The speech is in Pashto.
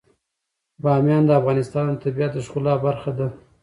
بامیان د افغانستان د طبیعت د ښکلا برخه ده.